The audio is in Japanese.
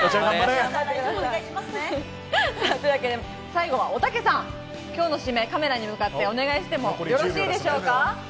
最後は、おたけさん、今日の締め、カメラに向かってお願いしてもよろしいでしょうか。